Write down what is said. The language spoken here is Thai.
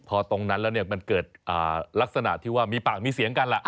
พอตรงนั้นแล้วเนี่ยมันเกิดลักษณะที่ว่ามีปากมีเสียงกันล่ะ